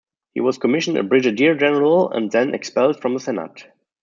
He was commissioned a brigadier general and then expelled from the Senate.